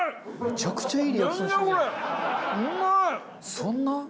そんな？